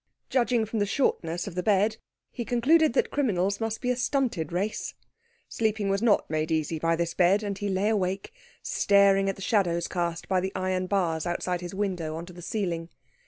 Judging from the shortness of the bed, he concluded that criminals must be a stunted race. Sleeping was not made easy by this bed, and he lay awake staring at the shadows cast by the iron bars outside his window on to the ceiling.